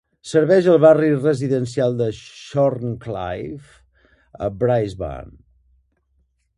Serveix al barri residencial de Shorncliffe a Brisbane.